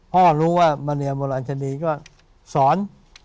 พ่อรู้ว่ามาเรียนโมรันคดีก็สอน